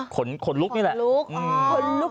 คนขนลูกนี่แหละขนลูก